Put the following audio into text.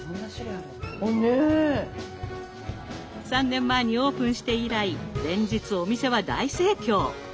３年前にオープンして以来連日お店は大盛況。